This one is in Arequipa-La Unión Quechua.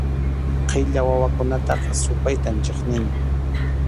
Qilla wawakunataqa supaytam chiqnini.